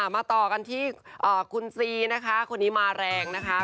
มาต่อกันที่คุณซีนะคะคนนี้มาแรงนะคะ